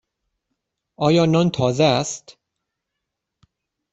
آیا نان تازه است؟